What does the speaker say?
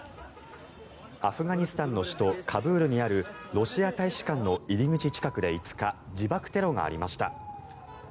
アフガニスタンの首都カブールにあるロシア大使館の入り口近くで５日、自爆テロがありました。